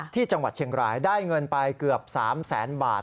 ที่จังหวัดเชียงรายได้เงินไปเกือบ๓แสนบาท